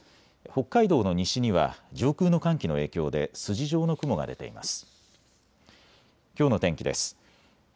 北海道の西には上空の寒気の影響で筋状の雲が出ています。